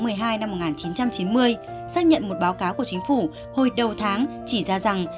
trong tháng một mươi hai năm một nghìn chín trăm chín mươi xác nhận một báo cáo của chính phủ hồi đầu tháng chỉ ra rằng